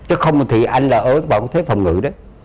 chứ không thì anh là ớ bảo thế phòng ngự đấy